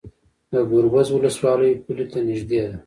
د ګربز ولسوالۍ پولې ته نږدې ده